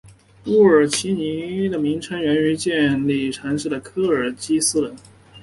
乌尔齐尼的名称源于建立城市的科尔基斯人。